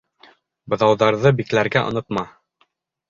Быҙауҙарҙы бикләргә онотма.